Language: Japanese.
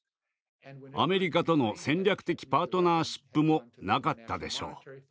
アメリカとの戦略的パートナーシップもなかったでしょう。